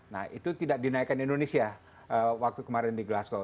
nah itu tidak dinaikkan indonesia waktu kemarin di glasgow